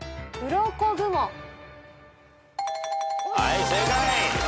はい正解。